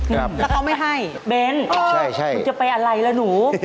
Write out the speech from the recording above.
ครับแล้วเขาไม่ให้เบนหนูจะไปอะไรล่ะหนู